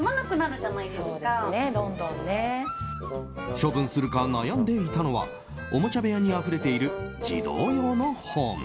処分するか悩んでいたのはおもちゃ部屋にあふれている児童用の本。